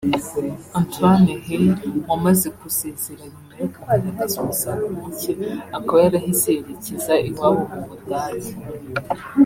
Antoine Hey wamaze gusezera nyuma yo kugaragaza umusaruro muke akaba yarahise yerekeza iwabo mu Budage